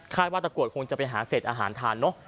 ว่าตะกรวดคงจะไปหาเศษอาหารทานเนอะ